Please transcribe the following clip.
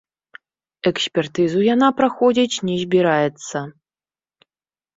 Экспертызу яна праходзіць не збіраецца.